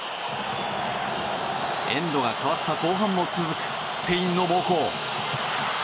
エンドが変わった後半も続くスペインの猛攻。